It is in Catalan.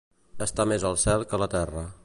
Estar més al cel que a la terra.